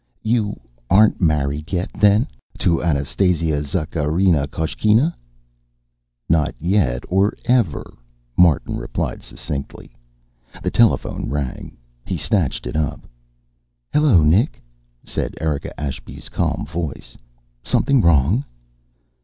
"You aren't married yet, then? To Anastasia Zakharina Koshkina?" "Not yet or ever," Martin replied succinctly. The telephone rang. He snatched it up. "Hello, Nick," said Erika Ashby's calm voice. "Something wrong?"